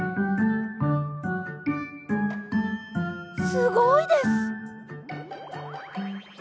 すごいです！